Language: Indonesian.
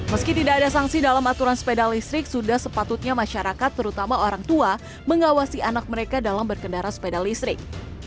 meski tidak ada sanksi dalam aturan sepeda listrik sudah sepatutnya masyarakat terutama orang tua mengawasi anak mereka dalam berkendara sepeda listrik